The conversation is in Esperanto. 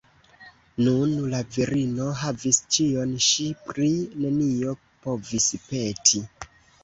Nun la virino havis ĉion, ŝi pri nenio povis peti.